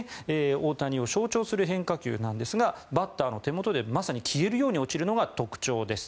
大谷を象徴する変化球なんですがバッターの手元でまさに消えるように落ちるのが特徴です。